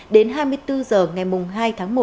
đến hai mươi bốn giờ ngày mùng hai tháng một